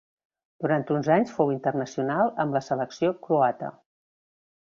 Durant uns anys fou internacional amb la selecció croata.